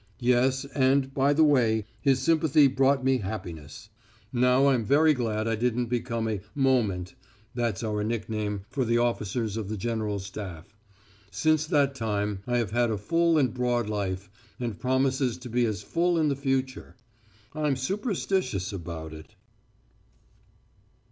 Yes, and by the way, his sympathy brought me happiness. Now I'm very glad I didn't become a "moment" that's our nickname for the officers of the General Staff. Since that time I have had a full and broad life, and promises to be as full in the future. I'm superstitious about it.